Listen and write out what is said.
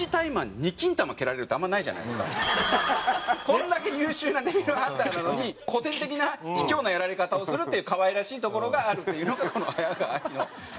これだけ優秀なデビルハンターなのに古典的な卑怯なやられ方をするっていう可愛いらしいところがあるっていうのがこの早川アキの良さですよね。